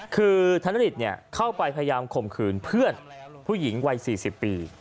คือธนฤทธิเข้าไปพยายามข่มขืนเพื่อนผู้หญิงวัย๔๐ปี